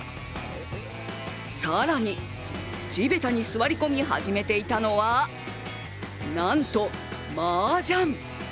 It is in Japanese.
更に、地べたに座り込み始めていたのはなんとマージャン。